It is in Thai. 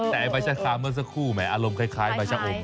แต่ไบเซคาเมื่อสักครู่อารมณ์คล้ายไบเซโช่ม